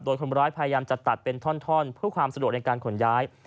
โดยคนร้ายพยายามจะตัดเป็นท่อนเพื่อความสะดวกในการขนย้าย